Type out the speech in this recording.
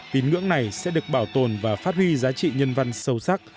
tín ngưỡng này sẽ được bảo tồn và phát huy giá trị nhân văn sâu sắc